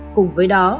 cùng với đó